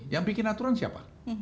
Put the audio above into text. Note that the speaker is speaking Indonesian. yang bikin aturan siapa